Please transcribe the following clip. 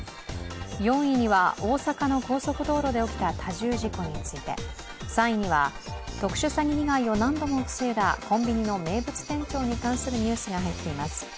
４位には、大阪の高速道路で起きた多重事故について、３位には特殊詐欺被害を何度も防いだコンビニの名物店長に関するニュースが入っています。